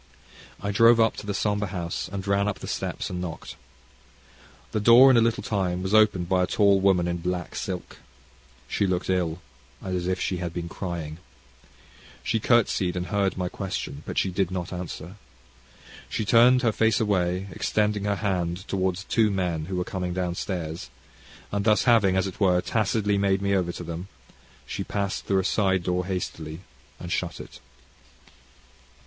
I drove up to the sombre house, and ran up the steps, and knocked. The door, in a little time, was opened by a tall woman in black silk. She looked ill, and as if she had been crying. She curtseyed, and heard my question, but she did not answer. She turned her face away, extending her hand towards two men who were coming down stairs; and thus having, as it were, tacitly made me over to them, she passed through a side door hastily and shut it.